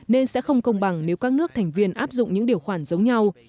nên sẽ không công bằng nếu các nước thành viên áp dụng những điều khoản giống nhau